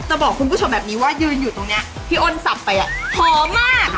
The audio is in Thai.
บอกคุณผู้ชมแบบนี้ว่ายืนอยู่ตรงนี้พี่อ้นสับไปอ่ะหอมมาก